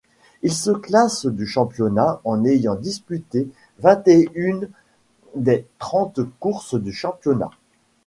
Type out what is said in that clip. Il se classe du championnat, en ayant disputé vingt-et-une des trente courses du championnat.